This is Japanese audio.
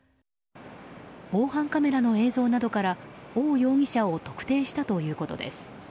防犯カメラの映像などからオウ容疑者を特定したということです。